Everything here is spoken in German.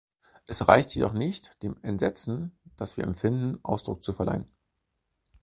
Es reicht jedoch nicht, dem Entsetzen, das wir empfinden, Ausdruck zu verleihen.